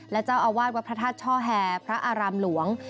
และเจ้าอวาดวัดพระทัศน์ช่อแห่พระอารำหลวง